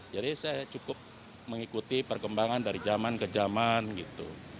saya cukup mengikuti perkembangan dari zaman ke zaman gitu